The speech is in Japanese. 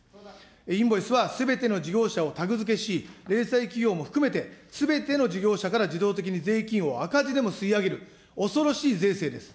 インボイスはすべての事業者をし、零細企業も含めてすべての事業者から自動的に税金を赤字でも吸い上げる、恐ろしい税制です。